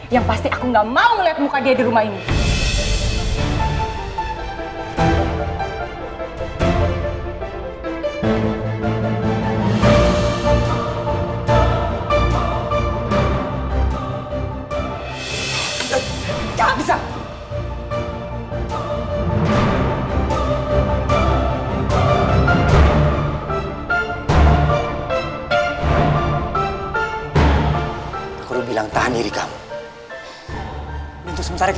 yang pasti aku akan menangis ini